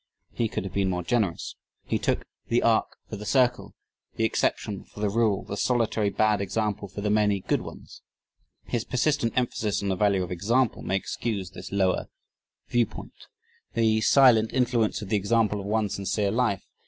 He could have been more generous. He took the arc for the circle, the exception for the rule, the solitary bad example for the many good ones. His persistent emphasis on the value of "example" may excuse this lower viewpoint. "The silent influence of the example of one sincere life